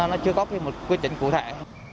nó chưa có quy chuẩn cụ thể